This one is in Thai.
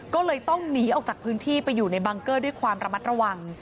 ก็เลยต้องหนีออกจากพื้นที่ไปอยู่ในบังเกอร์ด้วยความระมัดระวัง